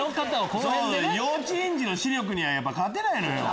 幼稚園児の視力には勝てないのよ。